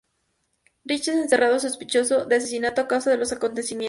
Rich es encerrado sospechoso de asesinato a causa de los acontecimientos.